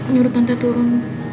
nyurut tante turun